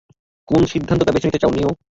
কোন সিদ্ধান্তটা বেছে নিতে চাও, নিও?